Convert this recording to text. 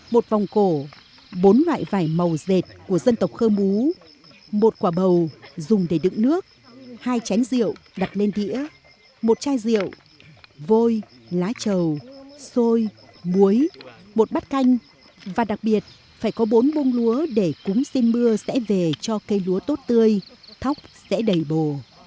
một vòng cổ bốn loại vải màu dệt của dân tộc khơ mú một quả bầu dùng để đựng nước hai chén rượu đặt lên đĩa một chai rượu vôi lá trầu xôi muối một bát canh và đặc biệt phải có bốn bông lúa để cúng xin mưa sẽ về cho cây lúa tốt tươi thóc sẽ đầy bồ